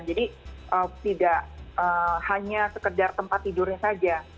jadi tidak hanya sekedar tempat tidurnya saja